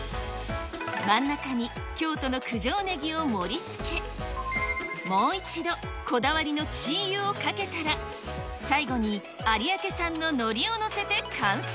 真ん中に京都の九条ネギを盛りつけ、もう一度、こだわりのチー油をかけたら、最後に有明産ののりを載せて完成。